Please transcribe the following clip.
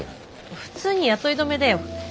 普通に雇い止めだよ。